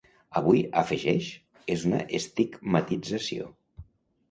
Avui –afegeix– és una estigmatització.